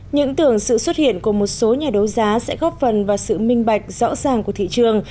những tưởng sự xuất hiện của một số nhà đấu giá sẽ góp phần vào sự minh bạch rõ ràng của thị trường